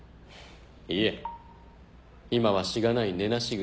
いえ今はしがない根無し草。